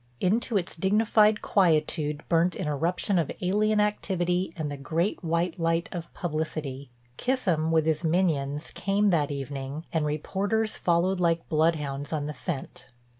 Into its dignified quietude burnt an irruption of alien activity and the great white light of publicity. Kissam with his minions came that evening and reporters followed like bloodhounds on the scent.